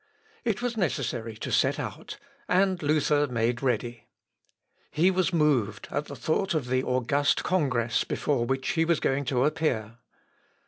It was necessary to set out, and Luther made ready. He was moved at the thought of the august congress before which he was going to appear.